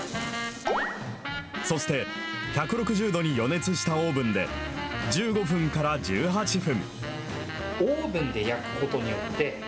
そして、１６０度に予熱したオーブンで、１５分から１８分。